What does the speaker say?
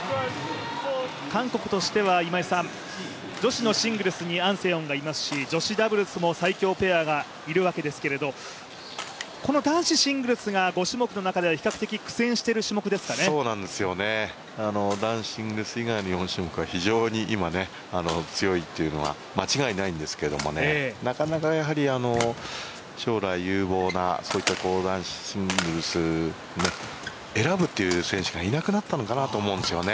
韓国としては女子のシングルスにアン・セヨンがいますし女子ダブルスも最強ペアがいるわけですけれども、この男子シングルスが５種目の中では比較的男子シングルス以外は、今、非常に強いというのは間違いないんですけどねなかなかやはり、将来有望な男子シングルス選ぶっていう選手がいなくなったのかなと思うんですよね。